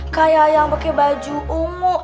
kayak yang pake baju ungu